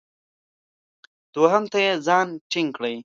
دوهم ته یې ځان ټینګ کړی.